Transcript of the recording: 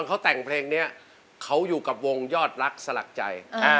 เขาอยู่กับวงยอดรักษ์สลักใจ